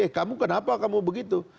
eh kamu kenapa kamu begitu